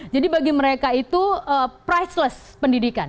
jadi bagi mereka itu priceless pendidikan